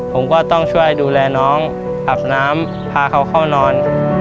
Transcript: ผมก็ต้องช่วยดูแลน้องอาบน้ำพาเขาเข้านอน